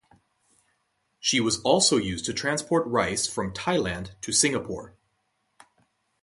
She was also used to transport rice from Thailand to Singapore.